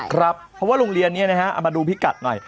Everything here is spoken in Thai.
ครับเพราะว่าโรงเรียนนี้นะฮะเอามาดูพิกัดหน่อย